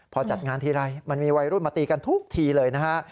พอจัดงานทีไรมันมีวัยรุ่นมาตีกันทุกทีเลยนะฮะ